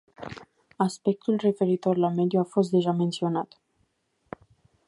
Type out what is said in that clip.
Aspectul referitor la mediu a fost deja menționat.